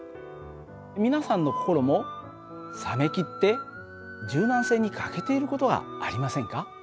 皆さんの心も冷めきって柔軟性に欠けている事はありませんか？